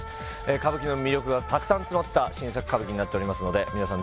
歌舞伎の魅力がたくさん詰まった新作歌舞伎になっておりますので皆さん